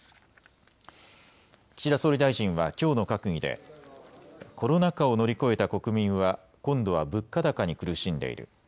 岸田総理大臣はきょうの閣議でコロナ禍を乗り越えた国民は今度は物価高に苦しんでいる。